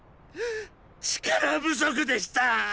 力不足でした！